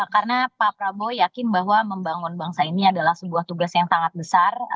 karena pak prabowo yakin bahwa membangun bangsa ini adalah sebuah tugas yang sangat besar